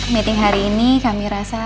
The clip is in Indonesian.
meeting hari ini kami rasa